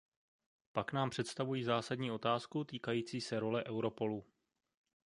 Pak nám představují zásadní otázku týkající se role Europolu.